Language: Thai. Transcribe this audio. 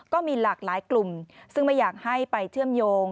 ก็มีหลากหลายกลุ่มซึ่งไม่อยากให้ไปเชื่อมโยง